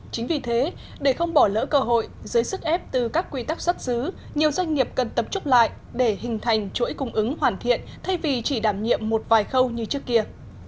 chính vì thế để không bỏ lỡ cơ hội dưới sức ép từ các quy tắc xuất xứ nhiều doanh nghiệp cần tập trúc lại để hình thành chuỗi cung ứng hoàn thiện thay vì chỉ đảm nhiệm một vài khâu như trước kia